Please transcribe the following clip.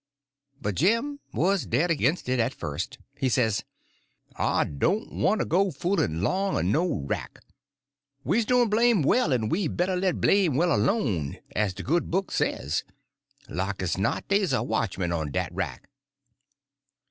But Jim was dead against it at first. He says: "I doan' want to go fool'n 'long er no wrack. We's doin' blame' well, en we better let blame' well alone, as de good book says. Like as not dey's a watchman on dat wrack."